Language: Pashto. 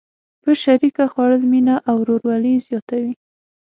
په شریکه خوړل مینه او ورورولي زیاتوي.